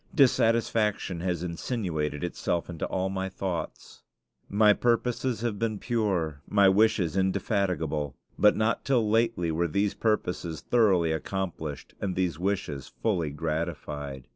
Dissatisfaction has insinuated itself into all my thoughts. My purposes have been pure, my wishes indefatigable; but not till lately were these purposes thoroughly accomplished and these wishes fully gratified.